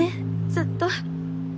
ずっと。